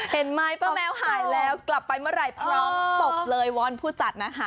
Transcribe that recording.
เห็นไหมป้าแมวหายแล้วกลับไปเมื่อไหร่พร้อมตบเลยวอนผู้จัดนะคะ